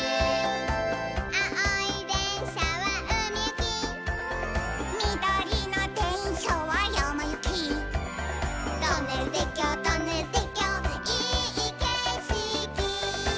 「あおいでんしゃはうみゆき」「みどりのでんしゃはやまゆき」「トンネルてっきょうトンネルてっきょういいけしき」